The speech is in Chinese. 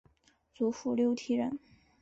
祖父刘体仁。